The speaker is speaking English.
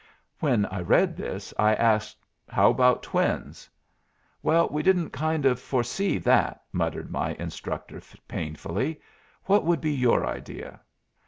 When I read this I asked, how about twins? "Well, we didn't kind of foresee that," muttered my instructor, painfully; "what would be your idea?"